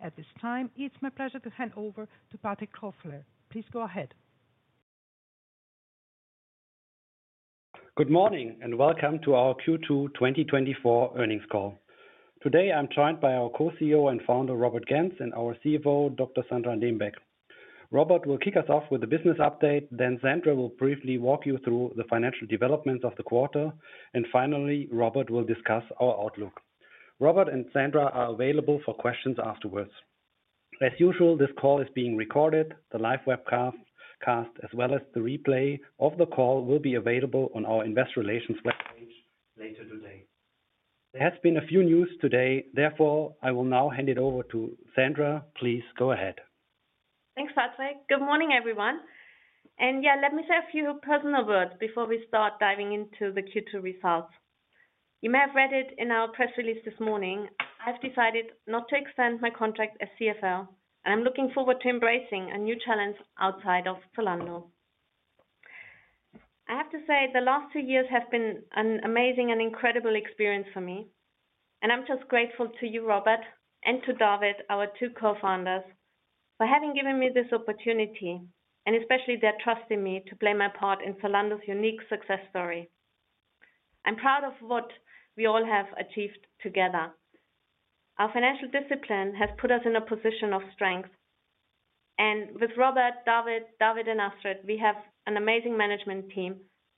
At this time, it's my pleasure to hand over to Patrick Kofler. Please go ahead. Good morning, and welcome to our Q2 2024 earnings call. Today, I'm joined by our co-CEO and founder, Robert Gentz, and our CFO, Dr. Sandra Dembeck. Robert will kick us off with a business update, then Sandra will briefly walk you through the financial development of the quarter, and finally, Robert will discuss our outlook. Robert and Sandra are available for questions afterwards. As usual, this call is being recorded. The live webcast, as well as the replay of the call, will be available on our investor relations webpage later today. There has been a few news today; therefore, I will now hand it over to Sandra. Please go ahead. Thanks, Patrick. Good morning, everyone. And yeah, let me say a few personal words before we start diving into the Q2 results. You may have read it in our press release this morning. I've decided not to extend my contract as CFO, and I'm looking forward to embracing a new challenge outside of Zalando. I have to say, the last two years have been an amazing and incredible experience for me, and I'm just grateful to you, Robert, and to David, our two co-founders, for having given me this opportunity, and especially their trust in me to play my part in Zalando's unique success story. I'm proud of what we all have achieved together. Our financial discipline has put us in a position of strength, and with Robert, David, David, and Astrid, we have an amazing management team,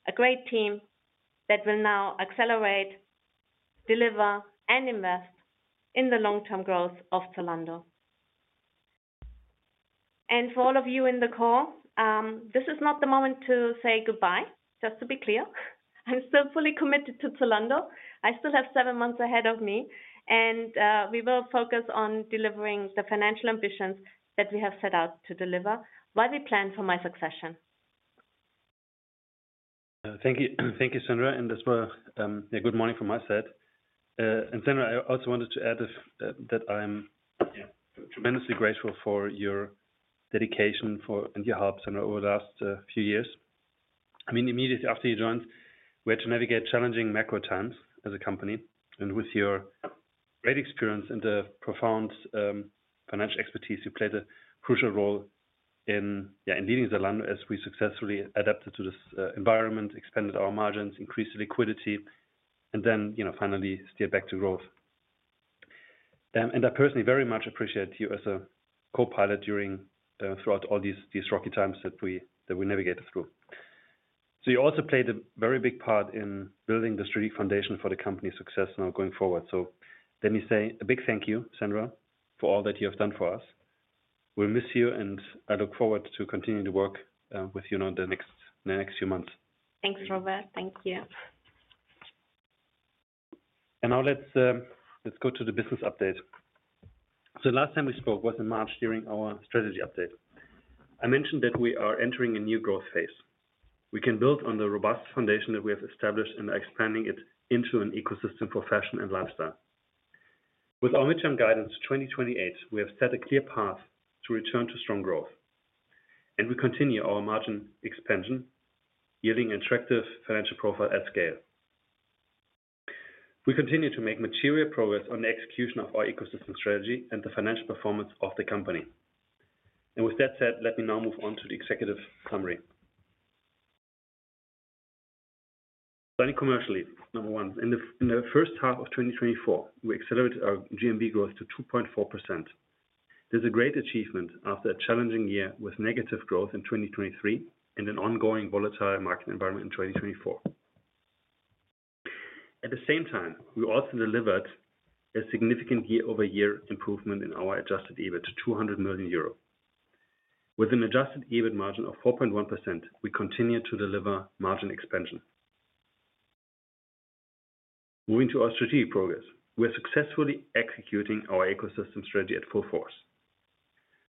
a great team that will now accelerate, deliver, and invest in the long-term growth of Zalando. For all of you in the call, this is not the moment to say goodbye, just to be clear. I'm still fully committed to Zalando. I still have seven months ahead of me, and we will focus on delivering the financial ambitions that we have set out to deliver while we plan for my succession. Thank you. Thank you, Sandra, and as well, good morning from my side. And Sandra, I also wanted to add, that I'm, tremendously grateful for your dedication for, and your help, Sandra, over the last, few years. I mean, immediately after you joined, we had to navigate challenging macro times as a company, and with your great experience and a profound, financial expertise, you played a crucial role in, in leading Zalando as we successfully adapted to this, environment, expanded our margins, increased liquidity, and then, you know, finally steered back to growth. And I personally very much appreciate you as a co-pilot during, throughout all these, these rocky times that we, that we navigated through. So you also played a very big part in building the strategic foundation for the company's success now going forward. So let me say a big thank you, Sandra, for all that you have done for us. We'll miss you, and I look forward to continuing to work with you on the next few months. Thanks, Robert. Thank you. And now let's go to the business update. So the last time we spoke was in March during our strategy update. I mentioned that we are entering a new growth phase. We can build on the robust foundation that we have established and expanding it into an ecosystem for fashion and lifestyle. With our midterm guidance, 2028, we have set a clear path to return to strong growth, and we continue our margin expansion, yielding attractive financial profile at scale. We continue to make material progress on the execution of our ecosystem strategy and the financial performance of the company. And with that said, let me now move on to the executive summary. Starting commercially, number one, in the first half of 2024, we accelerated our GMV growth to 2.4%. This is a great achievement after a challenging year with negative growth in 2023 and an ongoing volatile market environment in 2024. At the same time, we also delivered a significant year-over-year improvement in our adjusted EBIT to 200 million euro. With an adjusted EBIT margin of 4.1%, we continue to deliver margin expansion. Moving to our strategic progress. We are successfully executing our ecosystem strategy at full force.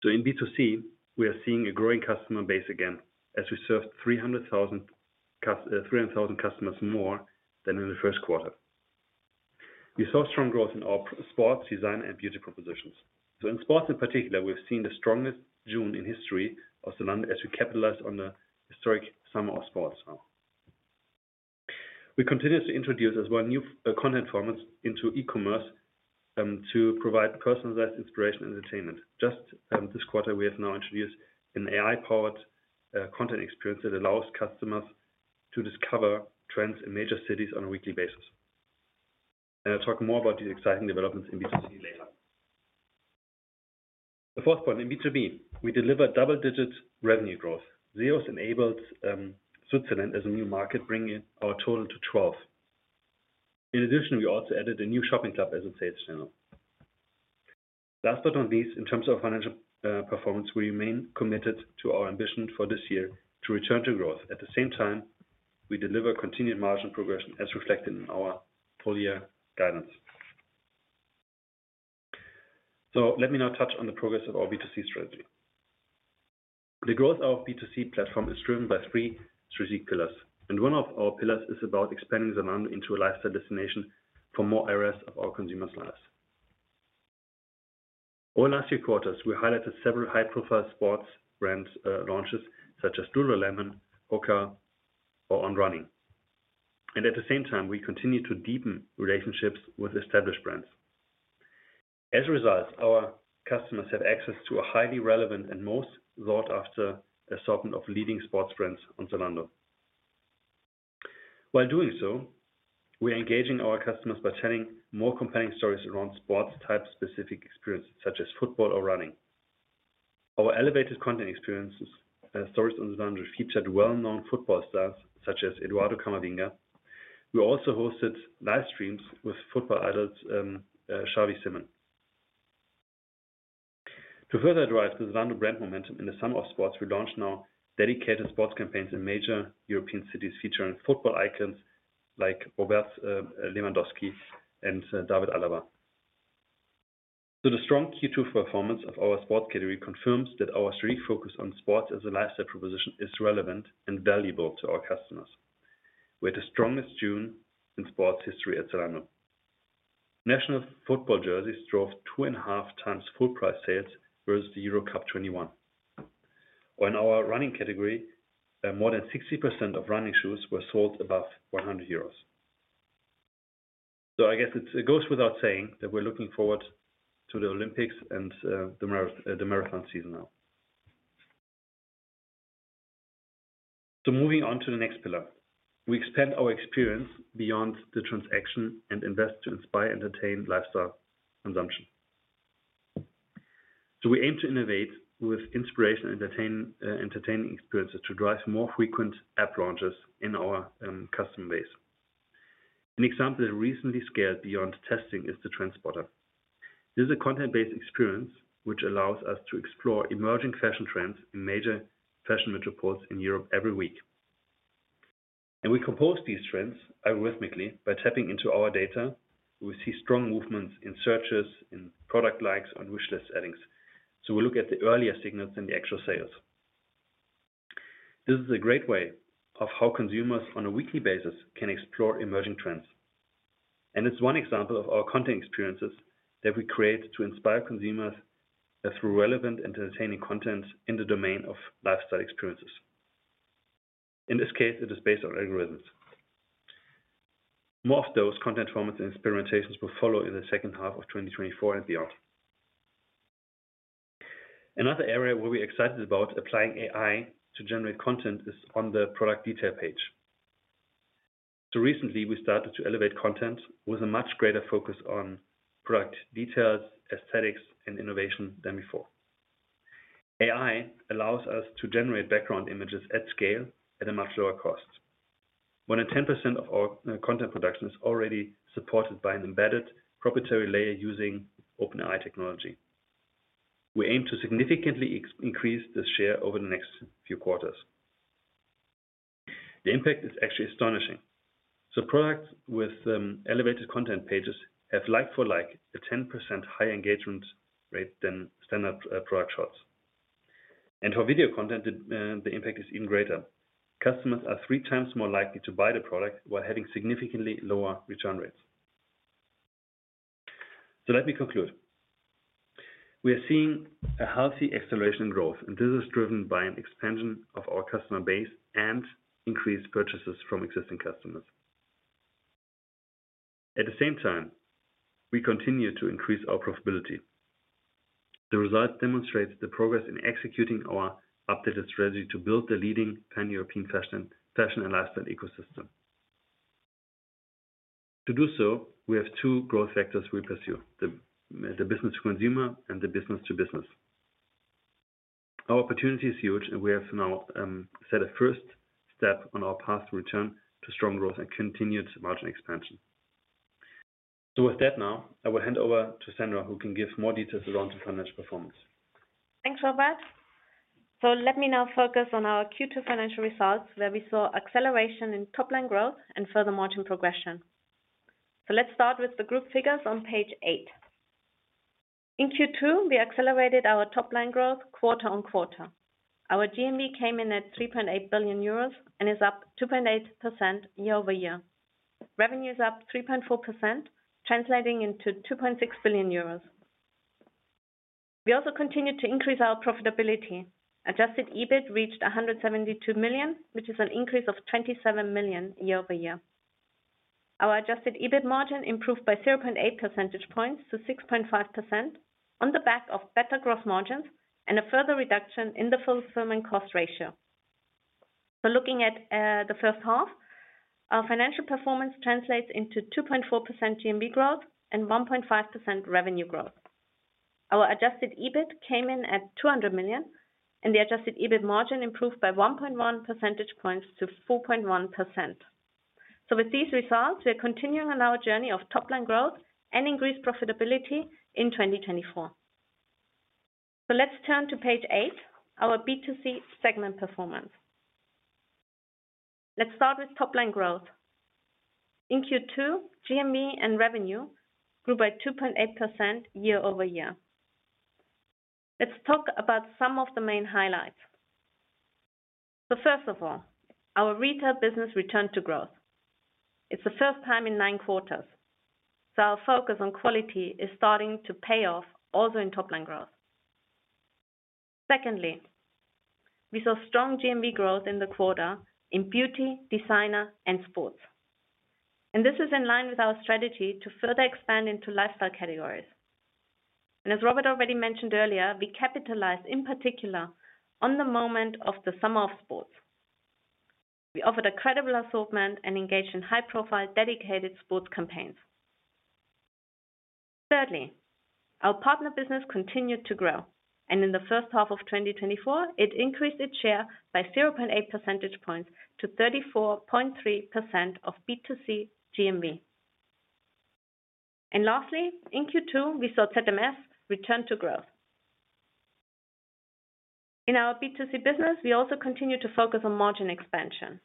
So in B2C, we are seeing a growing customer base again, as we served 300,000 customers more than in the first quarter. We saw strong growth in our sports, Designer, and beauty propositions. So in sports, in particular, we've seen the strongest June in history of Zalando as we capitalize on the historic summer of sports now. We continued to introduce as well, new content formats into e-commerce, to provide personalized inspiration and entertainment. Just, this quarter, we have now introduced an AI-powered content experience that allows customers to discover trends in major cities on a weekly basis. And I'll talk more about these exciting developments in B2C later. The fourth point, in B2B, we delivered double-digit revenue growth. ZEOS enabled Switzerland as a new market, bringing our total to 12. In addition, we also added a new shopping club as a sales channel. Last but not least, in terms of financial performance, we remain committed to our ambition for this year to return to growth. At the same time, we deliver continued margin progression, as reflected in our full year guidance. So let me now touch on the progress of our B2C strategy. The growth of B2C platform is driven by three strategic pillars, and one of our pillars is about expanding Zalando into a lifestyle destination for more areas of our consumers' lives. Over the last few quarters, we highlighted several high-profile sports brands, launches such as Lululemon, HOKA, or On Running... and at the same time, we continue to deepen relationships with established brands. As a result, our customers have access to a highly relevant and most sought after assortment of leading sports brands on Zalando. While doing so, we are engaging our customers by telling more compelling stories around sports type-specific experiences, such as football or running. Our elevated content experiences and stories on Zalando featured well-known football stars, such as Eduardo Camavinga, who also hosted live streams with football idols, Xavi Simons. To further drive the Zalando brand momentum in the summer of sports, we launched now dedicated sports campaigns in major European cities, featuring football icons like Robert Lewandowski and David Alaba. So the strong Q2 performance of our sports category confirms that our strategic focus on sports as a lifestyle proposition is relevant and valuable to our customers. We had the strongest June in sports history at Zalando. National football jerseys drove 2.5 times full price sales versus the Euro Cup 2021. While in our running category, more than 60% of running shoes were sold above 100 euros. So I guess it goes without saying that we're looking forward to the Olympics and the marathon season now. So moving on to the next pillar. We expand our experience beyond the transaction and invest to inspire, entertain, lifestyle, consumption. So we aim to innovate with inspiration, entertaining experiences to drive more frequent app launches in our customer base. An example that recently scaled beyond testing is the Trend Spotter. This is a content-based experience which allows us to explore emerging fashion trends in major fashion metropoles in Europe every week. And we compose these trends algorithmically by tapping into our data. We see strong movements in searches, in product likes, on wish list settings. So we look at the earlier signals than the actual sales. This is a great way of how consumers, on a weekly basis, can explore emerging trends. And it's one example of our content experiences that we create to inspire consumers through relevant entertaining content in the domain of lifestyle experiences. In this case, it is based on algorithms. More of those content formats and experimentations will follow in the second half of 2024 and beyond. Another area where we're excited about applying AI to generate content is on the product detail page. So recently, we started to elevate content with a much greater focus on product details, aesthetics, and innovation than before. AI allows us to generate background images at scale at a much lower cost. More than 10% of our content production is already supported by an embedded proprietary layer using OpenAI technology. We aim to significantly increase this share over the next few quarters. The impact is actually astonishing. So products with elevated content pages have like for like, a 10% higher engagement rate than standard product shots. And for video content, the impact is even greater. Customers are three times more likely to buy the product, while having significantly lower return rates. So let me conclude. We are seeing a healthy acceleration in growth, and this is driven by an expansion of our customer base and increased purchases from existing customers. At the same time, we continue to increase our profitability. The results demonstrate the progress in executing our updated strategy to build the leading Pan-European fashion, fashion and lifestyle ecosystem. To do so, we have two growth factors we pursue: the business to consumer and the business to business. Our opportunity is huge, and we have now set a first step on our path to return to strong growth and continued margin expansion. So with that now, I will hand over to Sandra, who can give more details around the financial performance. Thanks, Robert. So let me now focus on our Q2 financial results, where we saw acceleration in top line growth and further margin progression. So let's start with the group figures on page eight. In Q2, we accelerated our top line growth quarter on quarter. Our GMV came in at 3.8 billion euros and is up 2.8% year over year. Revenue is up 3.4%, translating into 2.6 billion euros. We also continued to increase our profitability. Adjusted EBIT reached 172 million, which is an increase of 27 million year over year. Our adjusted EBIT margin improved by 0.8 percentage points to 6.5% on the back of better gross margins and a further reduction in the fulfillment cost ratio. Looking at the first half, our financial performance translates into 2.4% GMV growth and 1.5% revenue growth. Our adjusted EBIT came in at 200 million, and the adjusted EBIT margin improved by 1.1 percentage points to 4.1%. With these results, we are continuing on our journey of top line growth and increased profitability in 2024. Let's turn to page eight, our B2C segment performance. Let's start with top line growth. In Q2, GMV and revenue grew by 2.8% year-over-year. Let's talk about some of the main highlights. First of all, our retail business returned to growth. It's the first time in nine quarters, so our focus on quality is starting to pay off, also in top line growth. Secondly, we saw strong GMV growth in the quarter in beauty, designer, and sports. This is in line with our strategy to further expand into lifestyle categories. As Robert already mentioned earlier, we capitalized, in particular, on the moment of the summer of sports. We offered a credible assortment and engaged in high-profile, dedicated sports campaigns. Thirdly, our partner business continued to grow, and in the first half of 2024, it increased its share by 0.8 percentage points to 34.3% of B2C GMV. Lastly, in Q2, we saw ZMS return to growth. In our B2C business, we also continued to focus on margin expansion.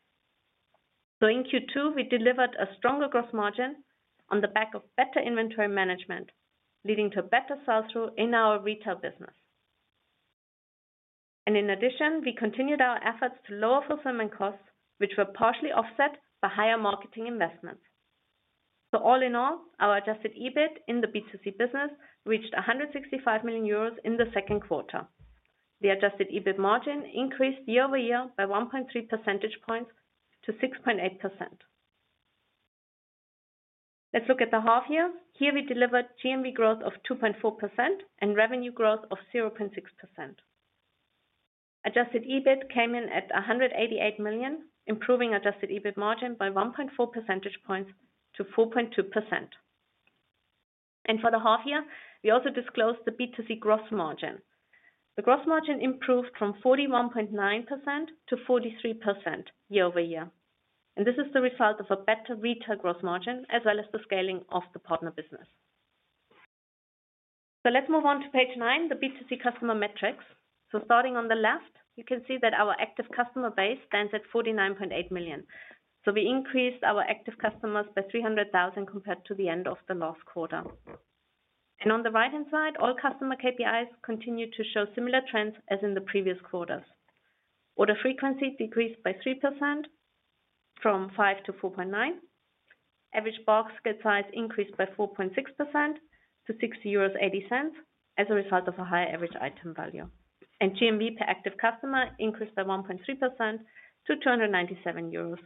In Q2, we delivered a stronger gross margin on the back of better inventory management, leading to better sell-through in our retail business. And in addition, we continued our efforts to lower fulfillment costs, which were partially offset by higher marketing investments. So all in all, our adjusted EBIT in the B2C business reached 165 million euros in the second quarter. The adjusted EBIT margin increased year-over-year by 1.3 percentage points to 6.8%. Let's look at the half year. Here we delivered GMV growth of 2.4% and revenue growth of 0.6%. Adjusted EBIT came in at 188 million, improving adjusted EBIT margin by 1.4 percentage points to 4.2%. And for the half year, we also disclosed the B2C gross margin. The gross margin improved from 41.9% to 43% year-over-year. And this is the result of a better retail gross margin, as well as the scaling of the partner business. So let's move on to page nine, the B2C customer metrics. So starting on the left, you can see that our active customer base stands at 49.8 million. So we increased our active customers by 300,000 compared to the end of the last quarter. And on the right-hand side, all customer KPIs continue to show similar trends as in the previous quarters. Order frequency decreased by 3% from five to 4.9. Average basket size increased by 4.6% to 60.80 euros, as a result of a higher average item value. And GMV per active customer increased by 1.3% to 297.20 euros.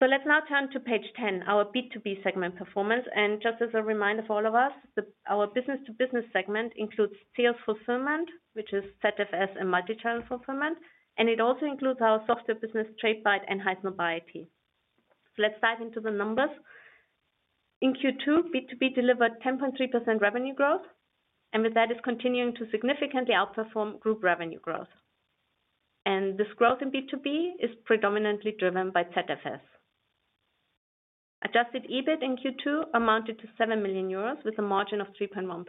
So let's now turn to page 10, our B2B segment performance. And just as a reminder for all of us, the, our business-to-business segment includes Zalando fulfillment, which is ZFS and multi-channel fulfillment, and it also includes our software business, Tradebyte and Highsnobiety. So let's dive into the numbers. In Q2, B2B delivered 10.3% revenue growth, and with that is continuing to significantly outperform group revenue growth. And this growth in B2B is predominantly driven by ZFS. Adjusted EBIT in Q2 amounted to 7 million euros, with a margin of 3.1%.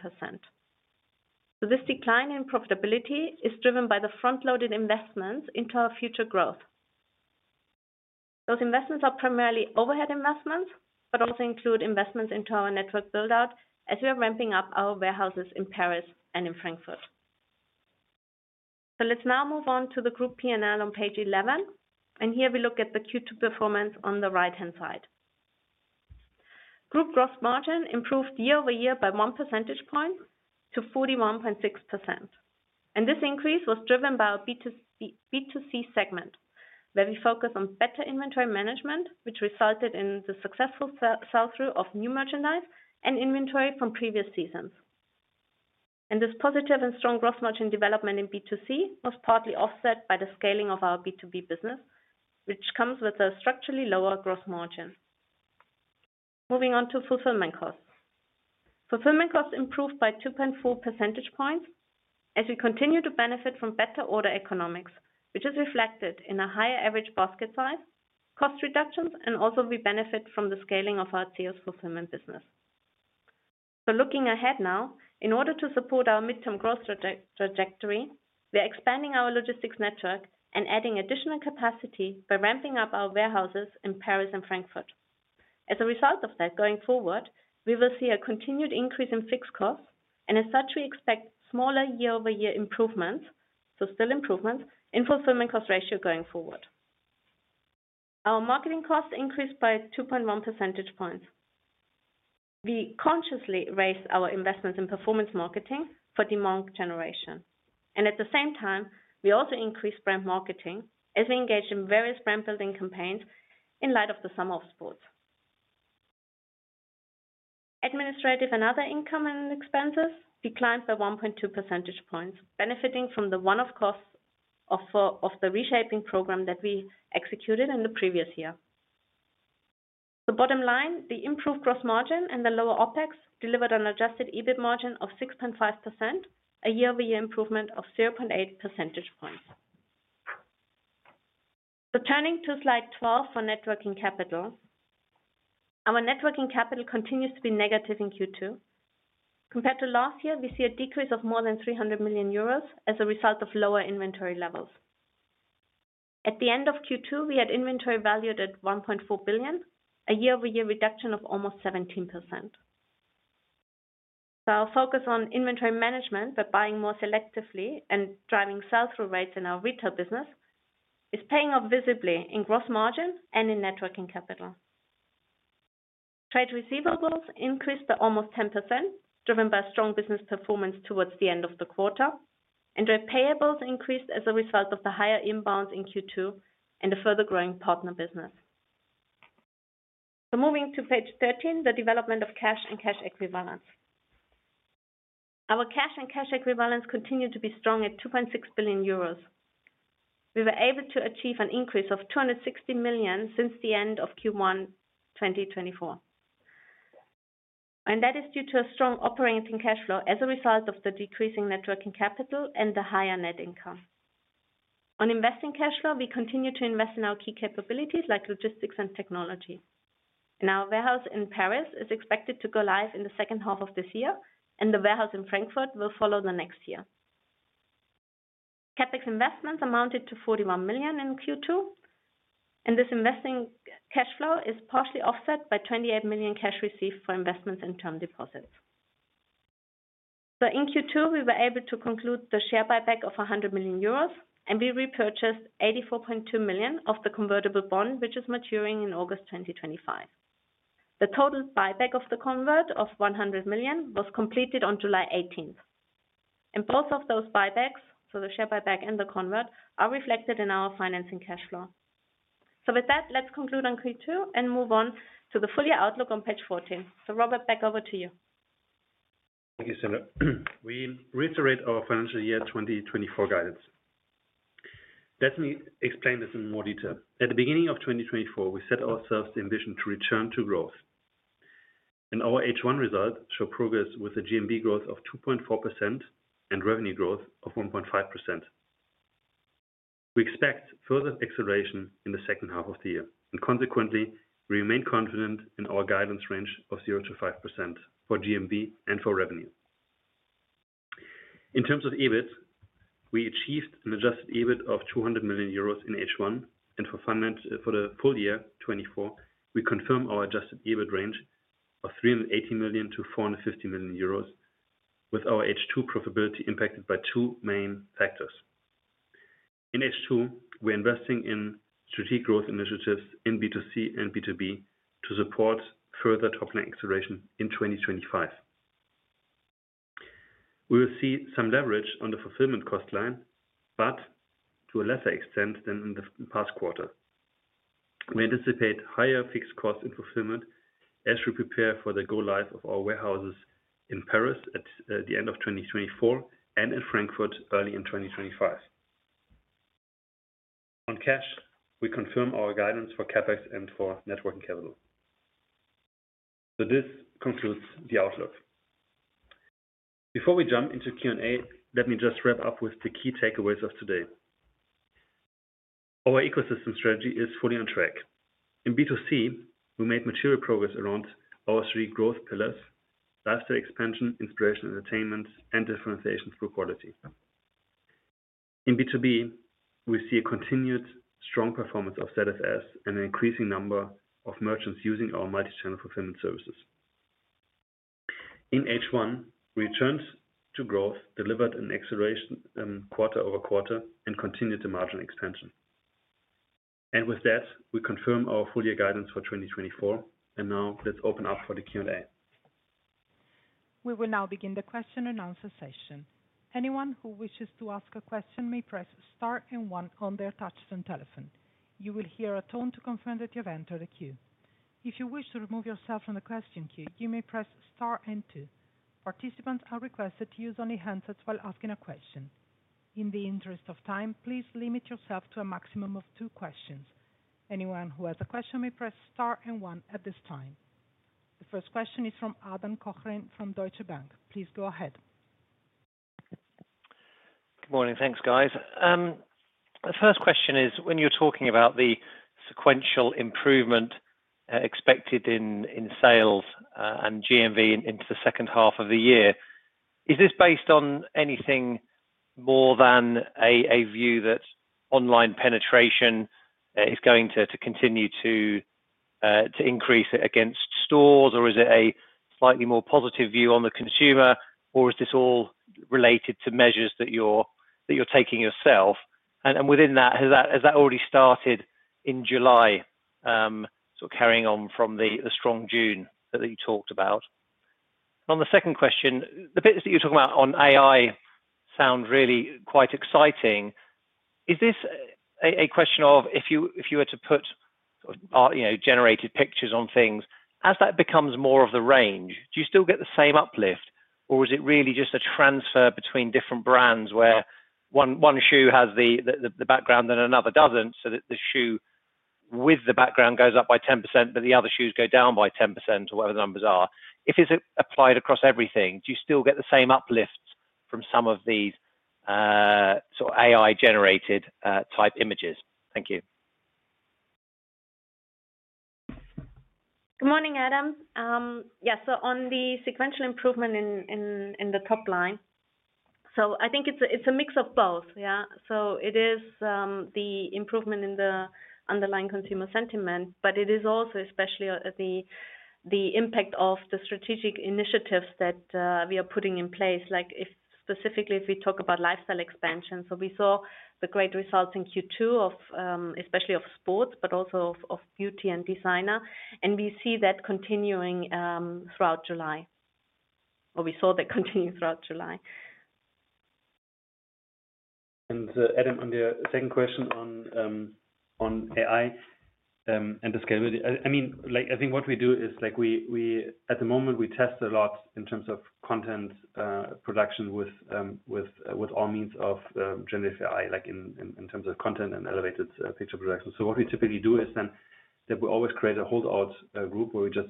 So this decline in profitability is driven by the front-loaded investments into our future growth. Those investments are primarily overhead investments, but also include investments into our network build-out as we are ramping up our warehouses in Paris and in Frankfurt. So let's now move on to the group P&L on page 11, and here we look at the Q2 performance on the right-hand side. Group gross margin improved year-over-year by one percentage point to 41.6%. And this increase was driven by our B2C segment, where we focus on better inventory management, which resulted in the successful sell-through of new merchandise and inventory from previous seasons. And this positive and strong gross margin development in B2C was partly offset by the scaling of our B2B business, which comes with a structurally lower gross margin. Moving on to fulfillment costs. Fulfillment costs improved by 2.4 percentage points as we continue to benefit from better order economics, which is reflected in a higher average basket size, cost reductions, and also we benefit from the scaling of our Zalando fulfillment business. So looking ahead now, in order to support our midterm growth trajectory, we are expanding our logistics network and adding additional capacity by ramping up our warehouses in Paris and Frankfurt. As a result of that, going forward, we will see a continued increase in fixed costs, and as such, we expect smaller year-over-year improvements, so still improvements, in fulfillment cost ratio going forward. Our marketing costs increased by 2.1 percentage points. We consciously raised our investments in performance marketing for demand generation, and at the same time, we also increased brand marketing as we engaged in various brand-building campaigns in light of the summer of sports. Administrative and other income and expenses declined by 1.2 percentage points, benefiting from the one-off costs of the reshaping program that we executed in the previous year. The bottom line, the improved gross margin and the lower OpEx, delivered an Adjusted EBIT margin of 6.5%, a year-over-year improvement of 0.8 percentage points. So turning to slide 12 for net working capital. Our net working capital continues to be negative in Q2. Compared to last year, we see a decrease of more than 300 million euros as a result of lower inventory levels. At the end of Q2, we had inventory valued at 1.4 billion, a year-over-year reduction of almost 17%. So our focus on inventory management by buying more selectively and driving sell-through rates in our retail business, is paying off visibly in gross margin and in net working capital... Trade receivables increased by almost 10%, driven by strong business performance towards the end of the quarter. And trade payables increased as a result of the higher inbounds in Q2 and a further growing partner business. So moving to page 13, the development of cash and cash equivalents. Our cash and cash equivalents continue to be strong at 2.6 billion euros. We were able to achieve an increase of 260 million since the end of Q1 2024. And that is due to a strong operating cash flow as a result of the decreasing net working capital and the higher net income. On investing cash flow, we continue to invest in our key capabilities, like logistics and technology. Now, warehouse in Paris is expected to go live in the second half of this year, and the warehouse in Frankfurt will follow the next year. CapEx investments amounted to 41 million in Q2, and this investing cash flow is partially offset by 28 million cash received for investments in term deposits. So in Q2, we were able to conclude the share buyback of 100 million euros, and we repurchased 84.2 million of the convertible bond, which is maturing in August 2025. The total buyback of the convert of 100 million was completed on July 18, and both of those buybacks, so the share buyback and the convert, are reflected in our financing cash flow. So with that, let's conclude on Q2 and move on to the full year outlook on page 14. So, Robert, back over to you. Thank you, Sandra. We reiterate our financial year 2024 guidance. Let me explain this in more detail. At the beginning of 2024, we set ourselves the ambition to return to growth, and our H1 results show progress with a GMV growth of 2.4% and revenue growth of 1.5%. We expect further acceleration in the second half of the year, and consequently, we remain confident in our guidance range of 0%-5% for GMV and for revenue. In terms of EBIT, we achieved an adjusted EBIT of 200 million euros in H1, and for finance, for the full year 2024, we confirm our adjusted EBIT range of 380 million-450 million euros, with our H2 profitability impacted by two main factors. In H2, we're investing in strategic growth initiatives in B2C and B2B to support further top-line acceleration in 2025. We will see some leverage on the fulfillment cost line, but to a lesser extent than in the past quarter. We anticipate higher fixed costs in fulfillment as we prepare for the go live of our warehouses in Paris at the end of 2024 and in Frankfurt early in 2025. On cash, we confirm our guidance for CapEx and for net working capital. So this concludes the outlook. Before we jump into Q&A, let me just wrap up with the key takeaways of today. Our ecosystem strategy is fully on track. In B2C, we made material progress around our three growth pillars: faster expansion, inspiration and entertainment, and differentiation through quality. In B2B, we see a continued strong performance of ZFS and an increasing number of merchants using our multi-channel fulfillment services. In H1, we returned to growth, delivered an acceleration, quarter-over-quarter, and continued the margin expansion. And with that, we confirm our full year guidance for 2024. And now, let's open up for the Q&A. We will now begin the question and answer session. Anyone who wishes to ask a question may press star and one on their touchtone telephone. You will hear a tone to confirm that you have entered a queue. If you wish to remove yourself from the question queue, you may press star and two. Participants are requested to use only handsets while asking a question. In the interest of time, please limit yourself to a maximum of two questions. Anyone who has a question may press star and one at this time. The first question is from Adam Cochrane from Deutsche Bank. Please go ahead. Good morning. Thanks, guys. The first question is, when you're talking about the sequential improvement expected in sales and GMV into the second half of the year, is this based on anything more than a view that online penetration is going to continue to increase against stores, or is it a slightly more positive view on the consumer? Or is this all related to measures that you're taking yourself? And within that, has that already started in July, so carrying on from the strong June that you talked about? On the second question, the bits that you're talking about on AI sound really quite exciting. Is this a question of if you were to put, you know, generated pictures on things, as that becomes more of the range, do you still get the same uplift, or is it really just a transfer between different brands where one shoe has the background and another doesn't, so that the shoe with the background goes up by 10%, but the other shoes go down by 10% or whatever the numbers are? If it's applied across everything, do you still get the same uplifts from some of these sort of AI-generated type images? Thank you. Good morning, Adam. Yeah, so on the sequential improvement in the top line, so I think it's a mix of both, yeah. So it is the improvement in the underlying consumer sentiment, but it is also especially the impact of the strategic initiatives that we are putting in place, specifically, if we talk about lifestyle expansion. So we saw the great results in Q2 of especially of sports, but also of beauty and designer, and we see that continuing throughout July, or we saw that continue throughout July. Adam, on the second question on AI and the scalability, I mean, like, I think what we do is, like, we at the moment, we test a lot in terms of content production with all means of generative AI, like, in terms of content and elevated picture production. So what we typically do is then, that we always create a holdout group, where we just,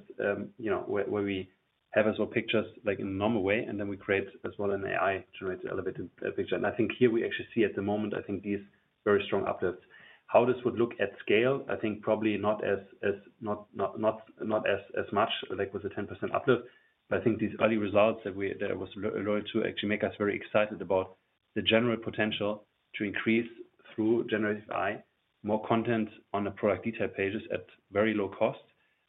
you know, where we have as well pictures, like, in a normal way, and then we create as well an AI-generated, elevated picture. And I think here we actually see at the moment, I think these very strong uplifts. How this would look at scale, I think probably not as much, like, with a 10% uplift. But I think these early results that allowed to actually make us very excited about the general potential to increase through generative AI more content on the product detail pages at very low cost,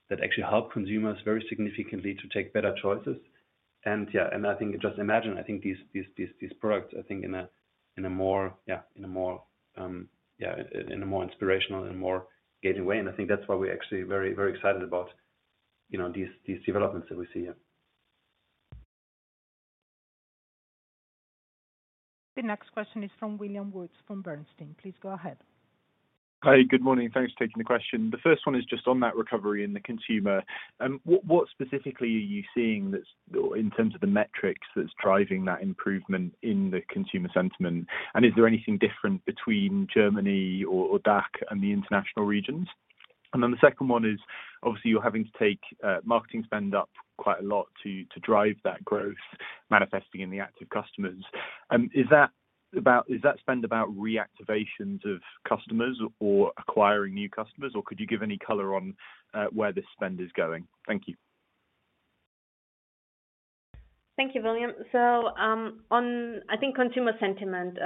that actually help consumers very significantly to take better choices. And yeah, and I think just imagine, I think these products, I think in a more inspirational and more engaging way. And I think that's why we're actually very, very excited about, you know, these developments that we see here. The next question is from William Woods, from Bernstein. Please go ahead. Hi, good morning. Thanks for taking the question. The first one is just on that recovery in the consumer. What, what specifically are you seeing that's... In terms of the metrics, that's driving that improvement in the consumer sentiment? And is there anything different between Germany or, or DACH and the international regions? And then the second one is, obviously, you're having to take marketing spend up quite a lot to, to drive that growth manifesting in the active customers. Is that about, is that spend about reactivations of customers or acquiring new customers? Or could you give any color on where this spend is going? Thank you. Thank you, William. So, on, I think, consumer sentiment,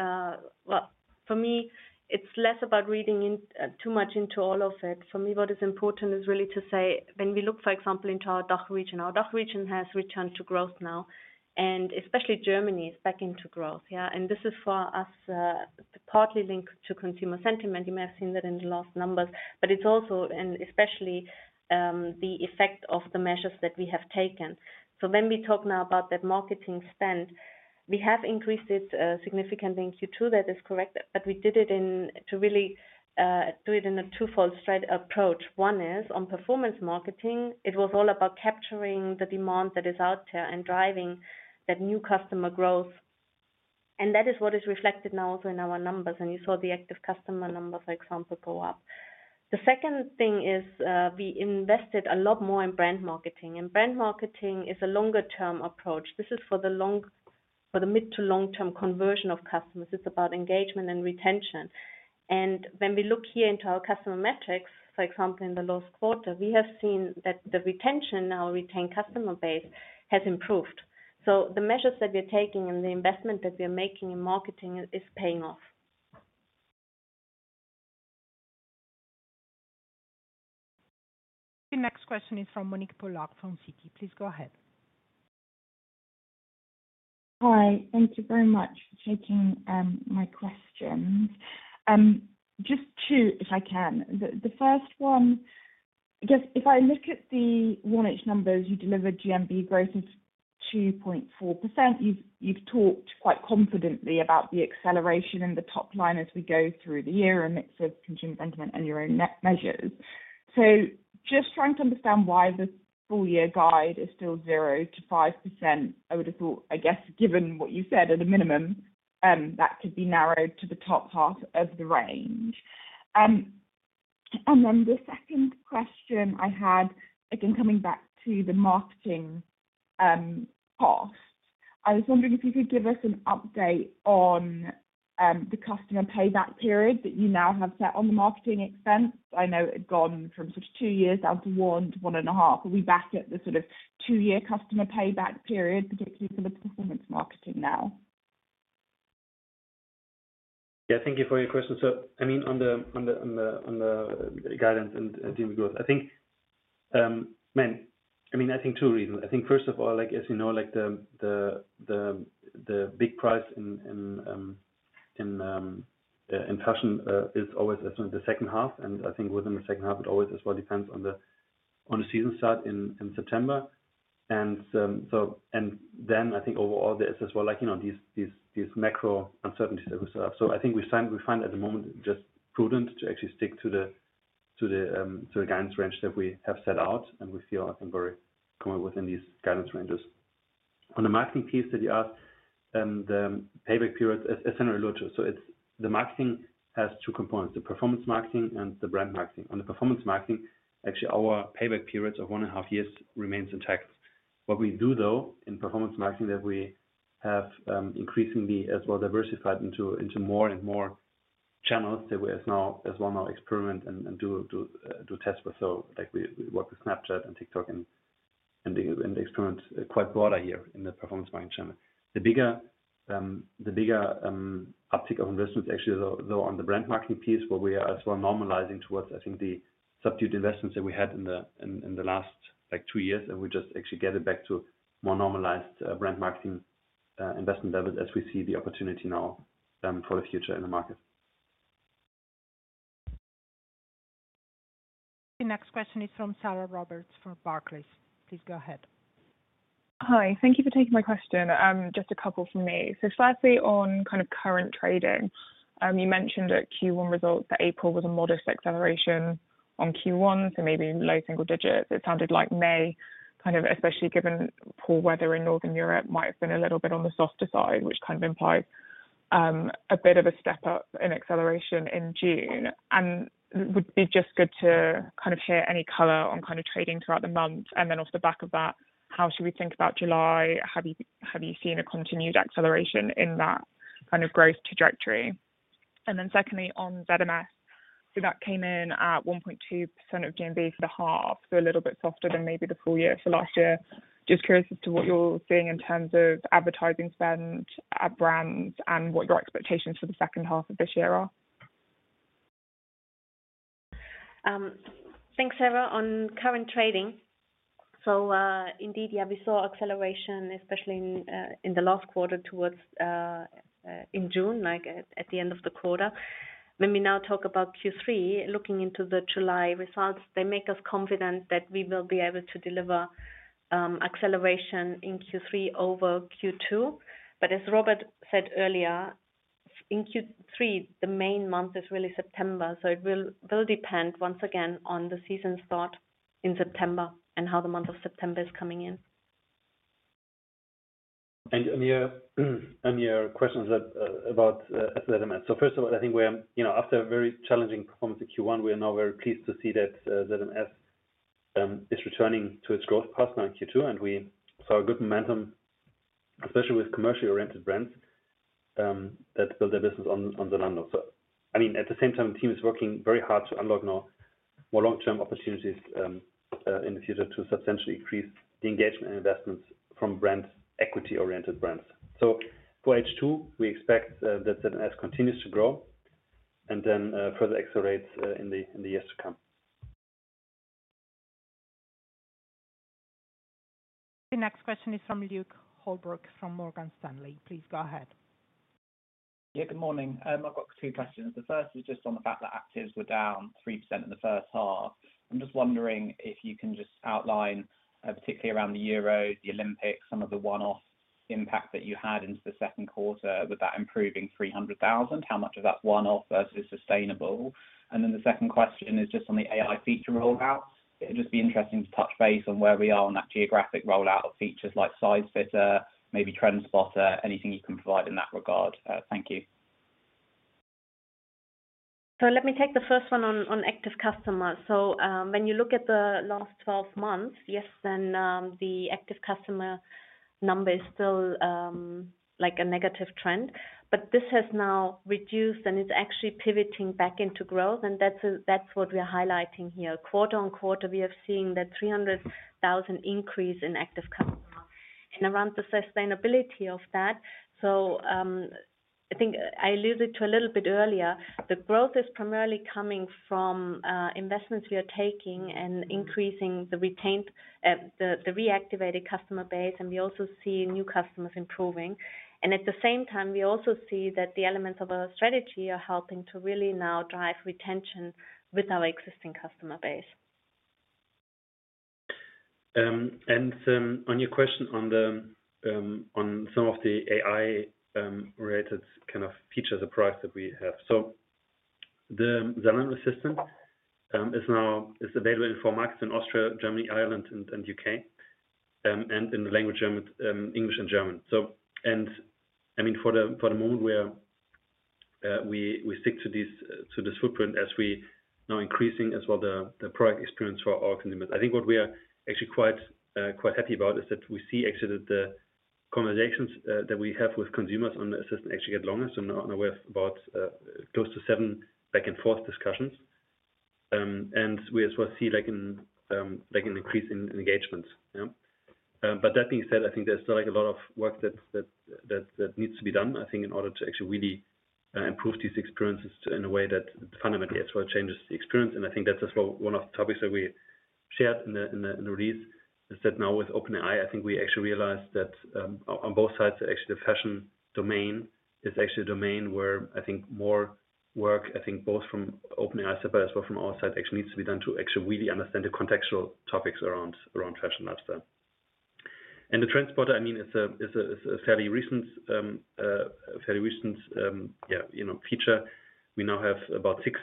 well, for me, it's less about reading in, too much into all of it. For me, what is important is really to say, when we look, for example, into our DACH region, our DACH region has returned to growth now, and especially Germany, is back into growth. Yeah. And this is for us, partly linked to consumer sentiment. You may have seen that in the last numbers, but it's also, and especially, the effect of the measures that we have taken. So when we talk now about that marketing spend, we have increased it, significantly in Q2. That is correct. But we did it in, to really, do it in a twofold strategic approach. One is on performance marketing. It was all about capturing the demand that is out there and driving that new customer growth. And that is what is reflected now also in our numbers. And you saw the active customer numbers, for example, go up. The second thing is, we invested a lot more in brand marketing, and brand marketing is a longer-term approach. This is for the long... for the mid to long-term conversion of customers. It's about engagement and retention. And when we look here into our customer metrics, for example, in the last quarter, we have seen that the retention, our retained customer base, has improved. So the measures that we're taking and the investment that we are making in marketing is paying off. The next question is from Monique Pollard, from Citi. Please go ahead. Hi. Thank you very much for taking my questions. Just two, if I can. The first one, I guess, if I look at the Q1 numbers, you delivered GMV growth of 2.4%. You've talked quite confidently about the acceleration in the top line as we go through the year, a mix of consumer sentiment and your own net measures. So just trying to understand why the full year guide is still 0% to 5%. I would have thought, I guess, given what you said, at a minimum, that could be narrowed to the top half of the range. And then the second question I had, again, coming back to the marketing cost, I was wondering if you could give us an update on the customer payback period that you now have set on the marketing expense. I know it had gone from sort of two years, down to one, to 1.5. Are we back at the sort of two-year customer payback period, particularly for the performance marketing now? Yeah, thank you for your question. So, I mean, on the guidance and deal growth, I think, man, I mean, I think two reasons. I think first of all, like, as you know, like, the big price in fashion is always as in the second half, and I think within the second half, it always as well depends on the season start in September. And, so, and then I think overall there is as well, like, you know, these macro uncertainties that we saw. So I think we find at the moment just prudent to actually stick to the guidance range that we have set out, and we feel like we're coming within these guidance ranges. On the marketing piece that you asked, the payback period is essentially low, too. So it's the marketing has two components, the performance marketing and the brand marketing. On the performance marketing, actually, our payback periods of 1.5 years remains intact. What we do, though, in performance marketing, that we have increasingly as well diversified into more and more channels that we now as well experiment and do test with. So, like, we work with Snapchat and TikTok, and the experiments are quite broader here in the performance marketing channel. The bigger uptick of investments actually, though, on the brand marketing piece, where we are as well normalizing towards, I think, the subdued investments that we had in the last, like, two years, and we just actually get it back to more normalized, brand marketing, investment level as we see the opportunity now, for the future in the market. ... The next question is from Sarah Roberts from Barclays. Please go ahead. Hi. Thank you for taking my question. Just a couple from me. So firstly, on kind of current trading, you mentioned at Q1 results that April was a modest acceleration on Q1, so maybe low single digits. It sounded like May, kind of especially given poor weather in Northern Europe, might have been a little bit on the softer side, which kind of implies a bit of a step up in acceleration in June. And it would be just good to kind of hear any color on kind of trading throughout the month. And then off the back of that, how should we think about July? Have you seen a continued acceleration in that kind of growth trajectory? And then secondly, on ZMS, so that came in at 1.2% of GMV for the half, so a little bit softer than maybe the full year for last year. Just curious as to what you're seeing in terms of advertising spend at brands and what your expectations for the second half of this year are. Thanks, Sarah. On current trading, so, indeed, yeah, we saw acceleration, especially in the last quarter towards in June, like at the end of the quarter. Let me now talk about Q3. Looking into the July results, they make us confident that we will be able to deliver acceleration in Q3 over Q2. But as Robert said earlier, in Q3, the main month is really September, so it will depend, once again, on the season start in September and how the month of September is coming in. And on your questions about ZMS. So first of all, I think we are, you know, after a very challenging performance in Q1, we are now very pleased to see that ZMS is returning to its growth path now in Q2, and we saw a good momentum, especially with commercially oriented brands that build their business on the run. So, I mean, at the same time, the team is working very hard to unlock more long-term opportunities in the future to substantially increase the engagement and investments from brands, equity-oriented brands. So for H2, we expect that ZMS continues to grow, and then further accelerates in the years to come. The next question is from Luke Holbrook, from Morgan Stanley. Please go ahead. Yeah, good morning. I've got two questions. The first is just on the fact that actives were down 3% in the first half. I'm just wondering if you can just outline, particularly around the Euro, the Olympics, some of the one-off impact that you had into the second quarter with that improving 300,000, how much of that is one-off versus sustainable? And then the second question is just on the AI feature rollout. It'd just be interesting to touch base on where we are on that geographic rollout of features like size fitter, maybe Trend Spotter, anything you can provide in that regard. Thank you. So let me take the first one on active customers. So, when you look at the last 12 months, yes, then, the active customer number is still, like a negative trend, but this has now reduced, and it's actually pivoting back into growth, and that's what we are highlighting here. Quarter on quarter, we have seen that 300,000 increase in active customers. And around the sustainability of that, so, I think I alluded to a little bit earlier, the growth is primarily coming from investments we are taking and increasing the retained, the reactivated customer base, and we also see new customers improving. And at the same time, we also see that the elements of our strategy are helping to really now drive retention with our existing customer base. On your question on some of the AI-related kind of features and products that we have. So the Zalando Assistant is now available for markets in Austria, Germany, Ireland, and U.K., and in the language German, English and German. So, I mean, for the moment, we stick to this footprint as we now increasing as well the product experience for our consumers. I think what we are actually quite happy about is that we see actually that the conversations that we have with consumers on the system actually get longer. So now we have about close to seven back and forth discussions. And we as well see like an increase in engagement. Yeah. But that being said, I think there's still a lot of work that needs to be done, I think, in order to actually really improve these experiences in a way that fundamentally as well changes the experience. And I think that's as well one of the topics that we shared in the release, is that now with OpenAI, I think we actually realized that on both sides, actually, the fashion domain is actually a domain where I think more work, I think both from OpenAI as well, from our side, actually needs to be done to actually really understand the contextual topics around fashion and lifestyle. And the Trend Spotter, I mean, it's a fairly recent, you know, feature. We now have about six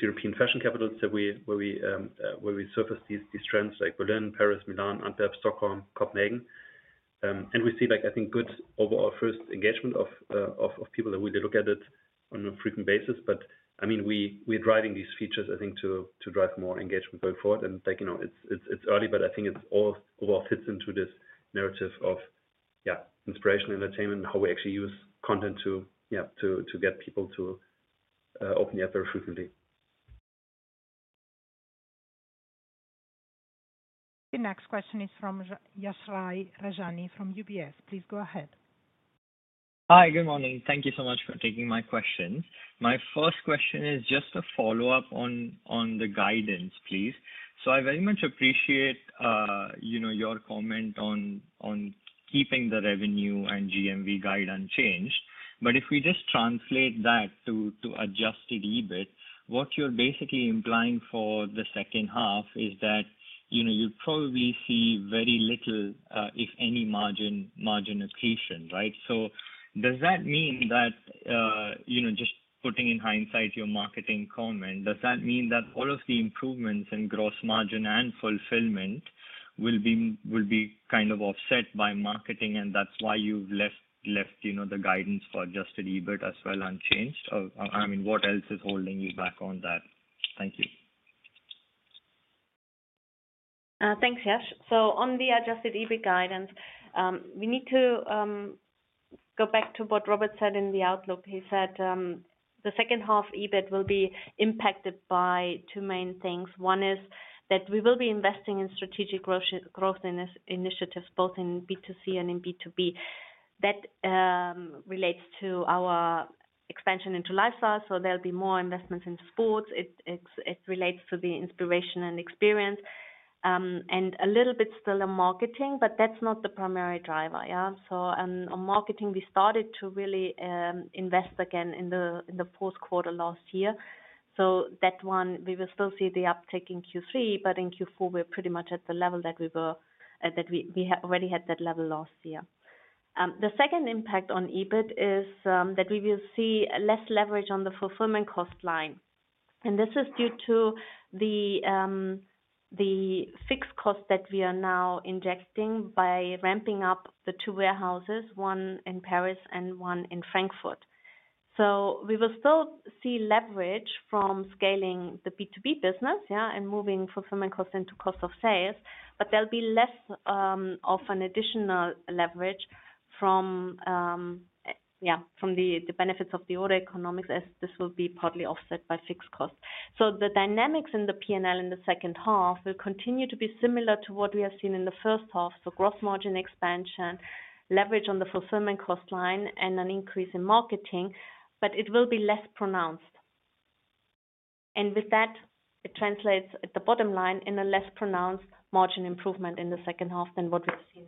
European fashion capitals where we surface these trends, like Berlin, Paris, Milan, Antwerp, Stockholm, Copenhagen. And we see, like, I think, good overall first engagement of people that really look at it on a frequent basis. But I mean, we're driving these features, I think, to drive more engagement going forward. And like, you know, it's early, but I think it's all overall fits into this narrative of, yeah, inspirational entertainment, how we actually use content to, yeah, to get people to open the app very frequently. The next question is from Yashraj Rajani from UBS. Please go ahead. Hi, good morning. Thank you so much for taking my question. My first question is just a follow-up on the guidance, please.... So I very much appreciate, you know, your comment on keeping the revenue and GMV guide unchanged. But if we just translate that to adjusted EBIT, what you're basically implying for the second half is that, you know, you'll probably see very little, if any margin accretion, right? So does that mean that, you know, just putting in hindsight your marketing comment, does that mean that all of the improvements in gross margin and fulfillment will be kind of offset by marketing, and that's why you've left, you know, the guidance for adjusted EBIT as well unchanged? Or, I mean, what else is holding you back on that? Thank you. Thanks, Yash. So on the Adjusted EBIT guidance, we need to go back to what Robert said in the outlook. He said the second half EBIT will be impacted by two main things. One is that we will be investing in strategic growth initiatives, both in B2C and in B2B. That relates to our expansion into lifestyle, so there'll be more investments in sports. It relates to the inspiration and experience, and a little bit still on marketing, but that's not the primary driver, yeah? So, on marketing, we started to really invest again in the fourth quarter last year. So that one, we will still see the uptick in Q3, but in Q4, we're pretty much at the level that we were, that we had already had that level last year. The second impact on EBIT is that we will see less leverage on the fulfillment cost line. And this is due to the fixed cost that we are now injecting by ramping up the two warehouses, one in Paris and one in Frankfurt. So we will still see leverage from scaling the B2B business, yeah, and moving fulfillment cost into cost of sales, but there'll be less of an additional leverage from yeah, from the benefits of the order economics, as this will be partly offset by fixed costs. So the dynamics in the P&L in the second half will continue to be similar to what we have seen in the first half. So gross margin expansion, leverage on the fulfillment cost line, and an increase in marketing, but it will be less pronounced. With that, it translates at the bottom line in a less pronounced margin improvement in the second half than what we've seen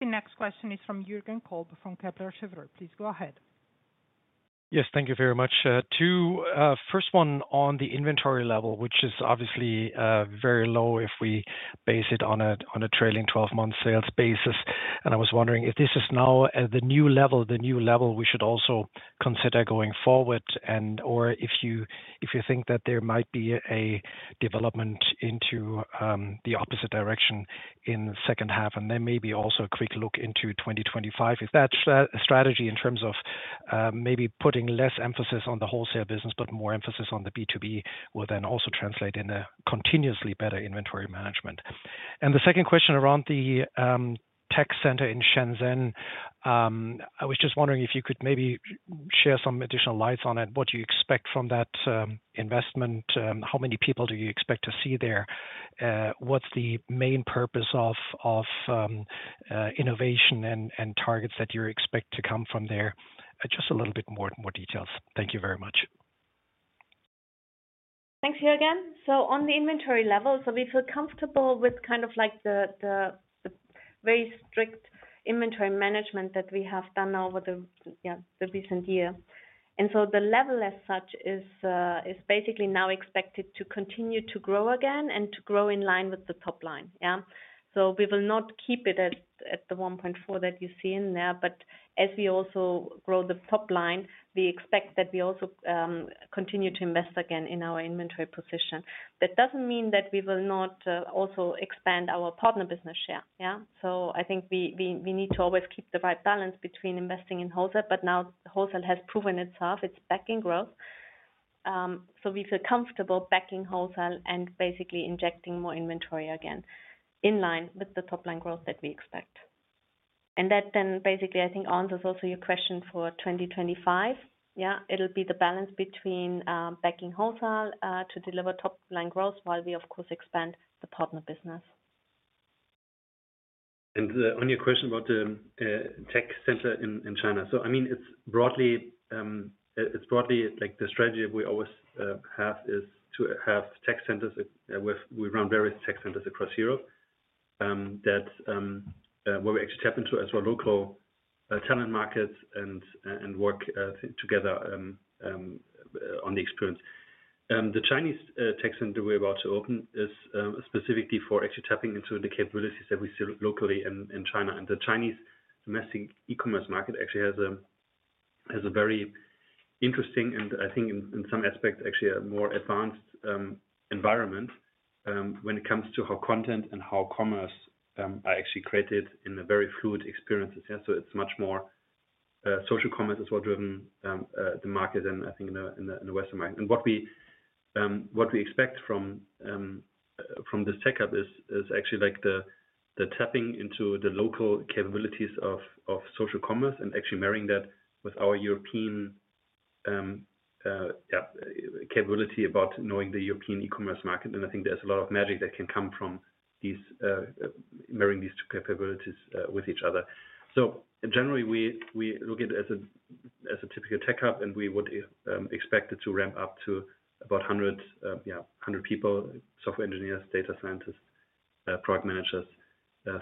in the first half. The next question is from Jürgen Kolb, from Kepler Cheuvreux. Please go ahead. Yes, thank you very much. Two, first one on the inventory level, which is obviously, very low if we base it on a, on a trailing twelve-month sales basis. And I was wondering if this is now, the new level, the new level we should also consider going forward, and/or if you, if you think that there might be a development into, the opposite direction in the second half, and then maybe also a quick look into 2025, if that's a strategy in terms of, maybe putting less emphasis on the wholesale business, but more emphasis on the B2B, will then also translate in a continuously better inventory management. And the second question around the, tech center in Shenzhen, I was just wondering if you could maybe share some additional lights on it. What do you expect from that, investment? How many people do you expect to see there? What's the main purpose of innovation and targets that you expect to come from there? Just a little bit more details. Thank you very much. Thanks, Jürgen. So on the inventory level, so we feel comfortable with kind of like the very strict inventory management that we have done over the yeah the recent year. And so the level as such is basically now expected to continue to grow again and to grow in line with the top line. Yeah? So we will not keep it at the 1.4 that you see in there, but as we also grow the top line, we expect that we also continue to invest again in our inventory position. That doesn't mean that we will not also expand our partner business share. Yeah? So I think we need to always keep the right balance between investing in wholesale, but now wholesale has proven itself, it's backing growth. So we feel comfortable backing wholesale and basically injecting more inventory again, in line with the top line growth that we expect. And that then basically, I think, answers also your question for 2025. Yeah, it'll be the balance between, backing wholesale, to deliver top line growth, while we of course, expand the partner business. On your question about the tech center in China. So, I mean, it's broadly like the strategy we always have is to have tech centers with. We run various tech centers across Europe. That, where we actually tap into as well local talent markets and work together on the experience. The Chinese tech center we're about to open is specifically for actually tapping into the capabilities that we see locally in China. And the Chinese messaging e-commerce market actually has a very interesting, and I think in some aspects, actually a more advanced environment, when it comes to how content and how commerce are actually created in a very fluid experience. So it's much more social commerce as well, driven the market than I think in the Western market. And what we expect from this tech hub is actually like the tapping into the local capabilities of social commerce and actually marrying that with our European capability about knowing the European e-commerce market, and I think there's a lot of magic that can come from these marrying these two capabilities with each other. So generally, we look at it as a typical tech hub, and we would expect it to ramp up to about 100 people, software engineers, data scientists, product managers,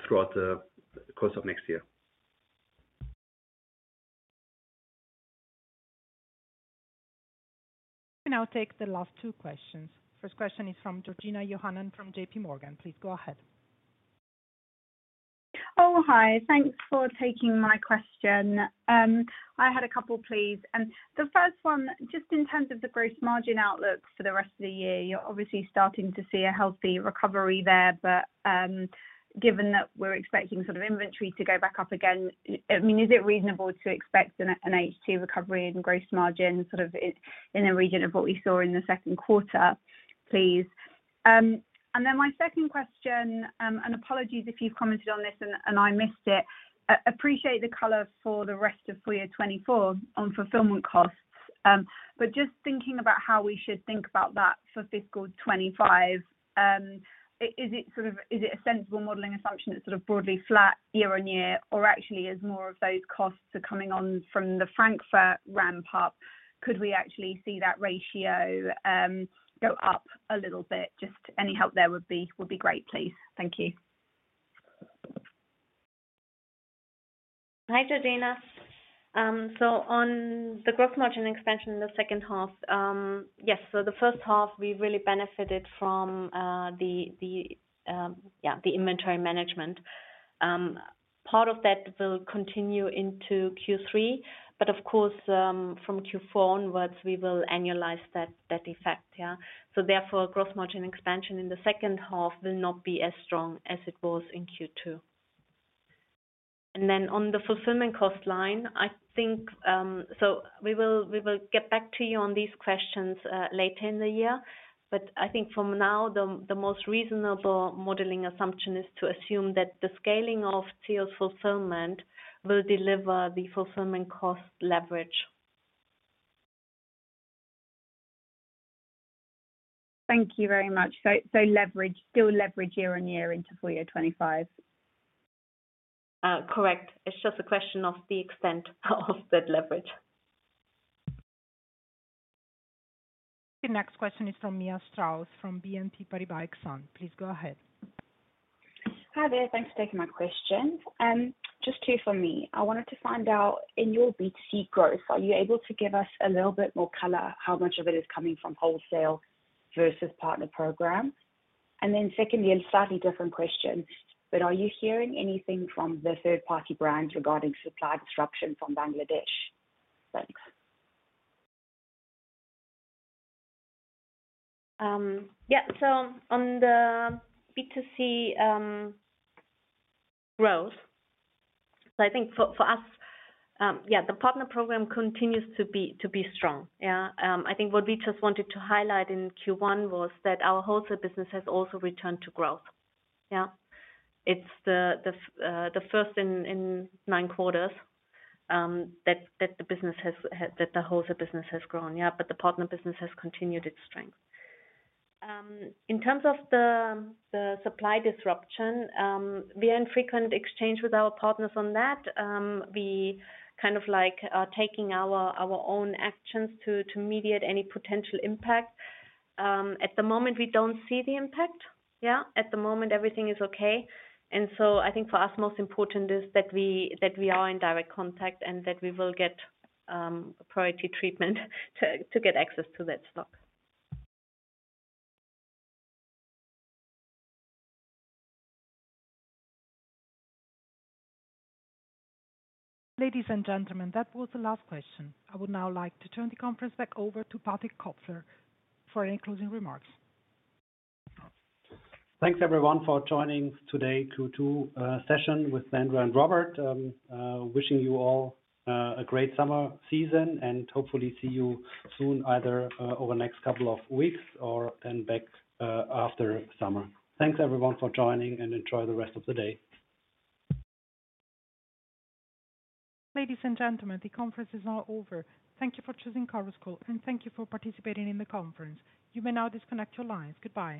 throughout the course of next year. We now take the last two questions. First question is from Georgina Johanan from J.P. Morgan. Please go ahead. Oh, hi. Thanks for taking my question. I had a couple, please. The first one, just in terms of the gross margin outlook for the rest of the year, you're obviously starting to see a healthy recovery there, but, given that we're expecting sort of inventory to go back up again, I mean, is it reasonable to expect an H2 recovery in gross margin, sort of, in the region of what we saw in the second quarter, please? And then my second question, and apologies if you've commented on this and I missed it. Appreciate the color for the rest of full year 2024 on fulfillment costs. But just thinking about how we should think about that for fiscal 2025, is it sort of... Is it a sensible modeling assumption that's sort of broadly flat year-on-year, or actually as more of those costs are coming on from the Frankfurt ramp up, could we actually see that ratio go up a little bit? Just any help there would be great, please. Thank you. Hi, Georgina. So on the gross margin expansion in the second half, yes, so the first half we really benefited from the inventory management. Part of that will continue into Q3, but of course, from Q4 onwards, we will annualize that effect. So therefore, gross margin expansion in the second half will not be as strong as it was in Q2. And then on the fulfillment cost line, I think, so we will get back to you on these questions later in the year. But I think for now, the most reasonable modeling assumption is to assume that the scaling of ZEOS fulfillment will deliver the fulfillment cost leverage. Thank you very much. So, so leverage, still leverage year-on-year into full year 2025? Correct. It's just a question of the extent of that leverage. The next question is from Mia Strauss, from BNP Paribas Exane. Please go ahead. Hi there. Thanks for taking my question. Just two for me. I wanted to find out, in your B2C growth, are you able to give us a little bit more color, how much of it is coming from wholesale versus partner program? And then secondly, a slightly different question, but are you hearing anything from the third-party brands regarding supply disruption from Bangladesh? Thanks. Yeah. So on the B2C growth, so I think for us, yeah, the partner program continues to be strong, yeah. I think what we just wanted to highlight in Q1 was that our wholesale business has also returned to growth. Yeah. It's the first in nine quarters that the wholesale business has grown, yeah, but the partner business has continued its strength. In terms of the supply disruption, we are in frequent exchange with our partners on that. We kind of like are taking our own actions to mediate any potential impact. At the moment, we don't see the impact, yeah. At the moment, everything is okay. I think for us, most important is that we are in direct contact and that we will get priority treatment to get access to that stock. Ladies and gentlemen, that was the last question. I would now like to turn the conference back over to Patrick Kofler for any closing remarks. Thanks, everyone, for joining today, Q2 session with Sandra and Robert. Wishing you all a great summer season, and hopefully see you soon, either over the next couple of weeks or, and back after summer. Thanks, everyone, for joining, and enjoy the rest of the day. Ladies and gentlemen, the conference is now over. Thank you for choosing Chorus Call, and thank you for participating in the conference. You may now disconnect your lines. Goodbye.